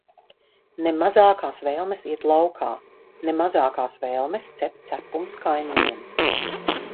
Ne mazākās vēlmes iet laukā, ne mazākās vēlmes cept cepumus kaimiņiem.